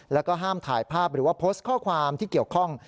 แล้วก็ห้ามถ่ายภาพหรือว่าโพสต์ข้อความที่เกี่ยวข้อง